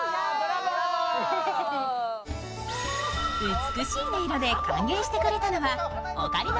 美しい音色で歓迎してくれたのはオカリナ